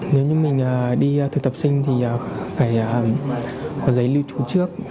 nếu như mình đi thực tập sinh thì phải có giấy lưu trú trước